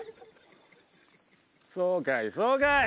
そうかいそうかい。